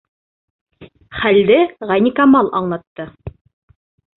Хәлде Ғәйникамал аңлатты: